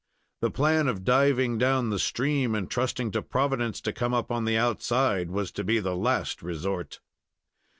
The plan of diving down the stream, and trusting to Providence to come up on the outside was to be the last resort.